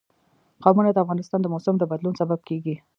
قومونه د افغانستان د موسم د بدلون سبب کېږي.